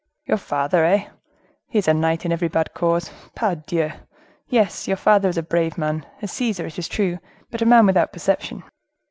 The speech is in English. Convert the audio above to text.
"Your father, eh! He is a knight in every bad cause. Pardieu! yes, your father is a brave man, a Caesar, it is true—but a man without perception."